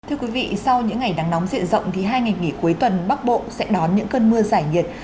thưa quý vị sau những ngày nắng nóng diện rộng thì hai ngày nghỉ cuối tuần bắc bộ sẽ đón những cơn mưa giải nhiệt